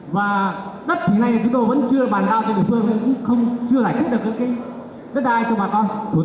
và đất thì nay chúng tôi vẫn chưa bàn đao cho địa phương